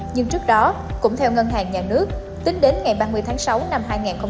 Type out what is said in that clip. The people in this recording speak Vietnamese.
nhưng trước đó cũng theo ngân hàng nhà nước tính đến ngày ba mươi tháng sáu năm hai nghìn hai mươi